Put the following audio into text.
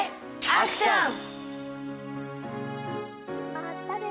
まったね。